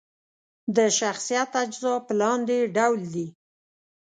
د شخصیت اجزا په لاندې ډول دي: